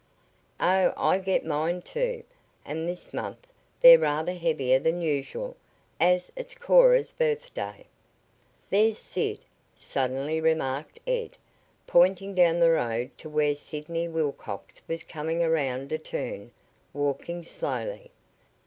"Oh, I get mine, too. And this month they're rather heavier than usual, as it's Cora's birthday." "There's Sid," suddenly remarked Ed, pointing down the road to where Sidney Wilcox was coming around a turn, walking slowly.